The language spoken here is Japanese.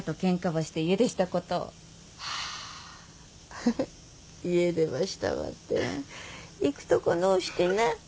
フフ家出ばしたばって行くとこのーしてな。